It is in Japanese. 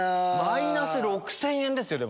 マイナス６０００円ですよ。